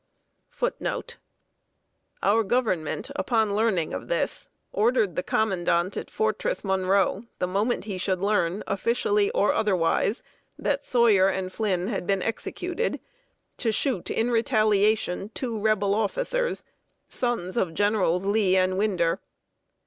" Our Government, upon learning of this, ordered the commandant at Fortress Monroe, the moment he should learn, officially or otherwise, that Sawyer and Flynn had been executed, to shoot in retaliation two Rebel officers sons of Generals Lee and Winder.